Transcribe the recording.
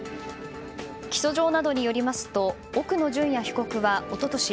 起訴状などによりますと奥野淳也被告は一昨年